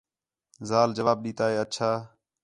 ذال جواب ݙِتا ہِے اچّھا